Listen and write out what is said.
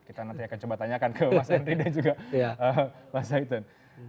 kita nanti akan coba tanyakan ke mas henry dan juga mas zaitun